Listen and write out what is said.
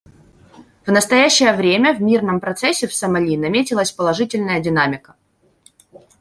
В настоящее время в мирном процессе в Сомали наметилась положительная динамика.